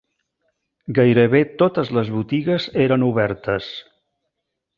Gairebé totes les botigues eren obertes